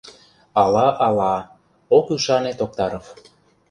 — Ала-ала... — ок ӱшане Токтаров.